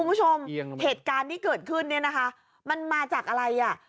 คุณผู้ชมเกิดขึ้นเนี่ยนะคะมันมาจากอะไรอ่ะ